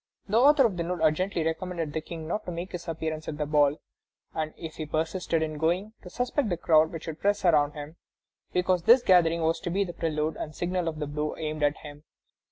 The author of the note urgently recommended the King not to make his appearance at the ball, and, if he persisted in going, to suspect the crowd which would press around him, because this gathering was to be the prelude and signal of the blow aimed at him.